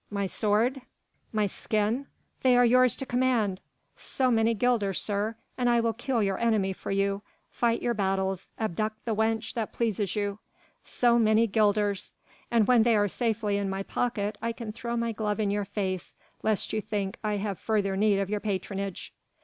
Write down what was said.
My sword, my skin, they are yours to command! so many guilders, sir, and I will kill your enemy for you, fight your battles, abduct the wench that pleases you. So many guilders! and when they are safely in my pocket I can throw my glove in your face lest you think I have further need of your patronage."